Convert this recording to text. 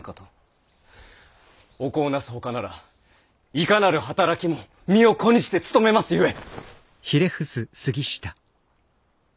お子をなすほかならいかなる働きも身を粉にして努めますゆえ！